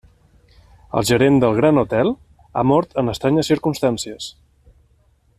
El gerent del Gran Hotel ha mort en estranyes circumstàncies.